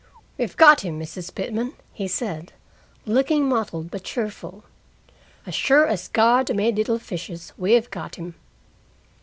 "We've got him, Mrs. Pitman," he said, looking mottled but cheerful. "As sure as God made little fishes, we've got him."